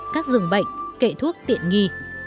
các rừng bệnh kệ thuốc tiện nghi